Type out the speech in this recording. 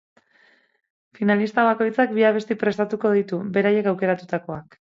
Finalista bakoitzak bi abesti prestatuko ditu, beraiek aukeratutakoak.